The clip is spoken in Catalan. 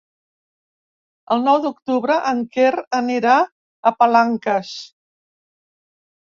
El nou d'octubre en Quer anirà a Palanques.